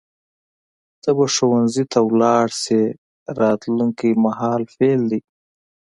ته به ښوونځي ته لاړ شې راتلونکي مهال فعل دی.